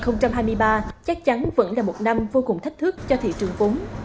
năm hai nghìn hai mươi ba chắc chắn vẫn là một năm vô cùng thách thức cho thị trường vốn